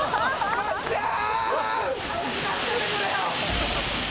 まっちゃん。